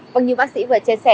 vâng như bác sĩ vừa chia sẻ